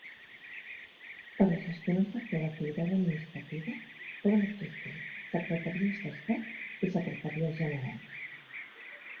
Per a gestionar un sector d'activitat administrativa poden existir Secretaries d'Estat i Secretaries Generals.